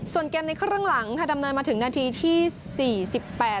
ส่วนเกมในครึ่งหลังค่ะดำเนินมาถึงนาทีที่สี่สิบแปด